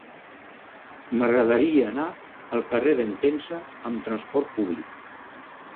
M'agradaria anar al carrer d'Entença amb trasport públic.